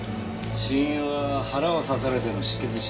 死因は腹を刺されての失血死。